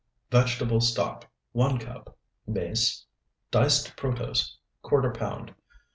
Vegetable stock, 1 cup. Mace. Diced protose, ¼ pound.